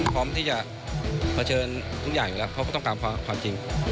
พร้อมที่จะเผชิญทุกอย่างอยู่แล้วเขาก็ต้องการความจริง